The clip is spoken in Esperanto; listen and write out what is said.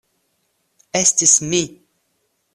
Estis mi.